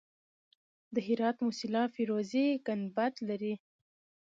د هرات موسیلا فیروزي ګنبد لري